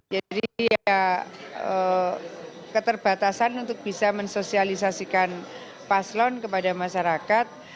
jadi ya keterbatasan untuk bisa mensosialisasikan paslon kepada masyarakat